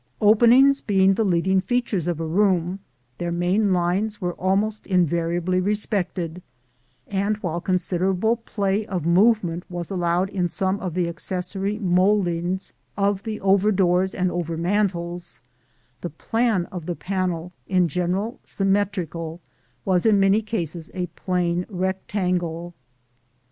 Openings being the leading features of a room, their main lines were almost invariably respected; and while considerable play of movement was allowed in some of the accessory mouldings of the over doors and over mantels, the plan of the panel, in general symmetrical, was in many cases a plain rectangle.